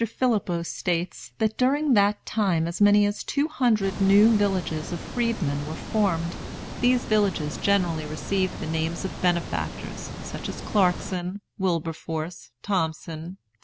Phillippo states, that during that time as many as two hundred new villages of freedmen were formed. These villages generally received the names of benefactors, such as Clarkson, Wilberforce, Thompson, &c.